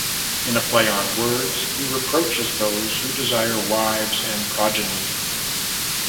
In a play on words, he reproaches those who desire wives and progeny.